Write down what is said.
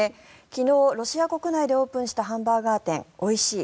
昨日、ロシア国内でオープンしたハンバーガー店「おいしい。